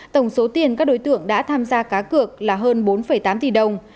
tổng số tiền các đối tượng đã tham gia cá cược là hơn bốn tám tỷ đồng